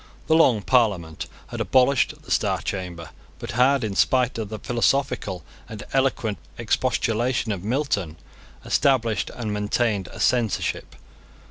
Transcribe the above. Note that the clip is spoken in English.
The Long Parliament had abolished the Star Chamber, but had, in spite of the philosophical and eloquent expostulation of Milton, established and maintained a censorship.